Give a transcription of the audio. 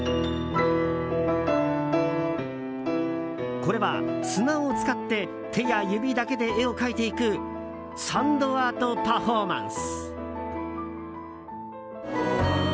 これは、砂を使って手や指だけで絵を描いていくサンドアートパフォーマンス。